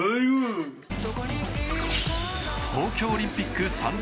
東京オリンピック３０００